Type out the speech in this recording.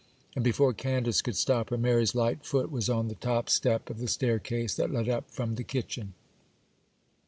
And before Candace could stop her, Mary's light foot was on the top step of the staircase that led up from the kitchen.